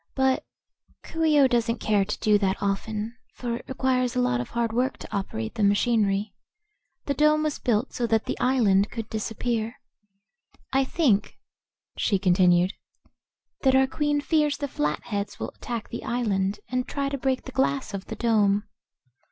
But Coo ee oh doesn't care to do that often, for it requires a lot of hard work to operate the machinery. The dome was built so that the island could disappear. I think," she continued, "that our Queen fears the Flatheads will attack the island and try to break the glass of the dome."